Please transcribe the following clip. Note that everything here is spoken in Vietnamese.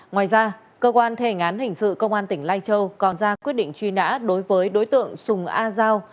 ngoài ra cơ quan thề ngán hình sự công an tỉnh lai châu còn ra quyết định truy nã đối với đối tượng sùng a giao